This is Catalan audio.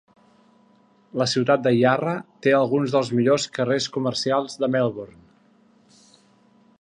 La ciutat de Yarra té alguns dels millors carrers comercials de Melbourne.